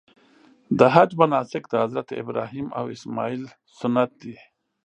د حج مناسک د حضرت ابراهیم او اسماعیل سنت دي.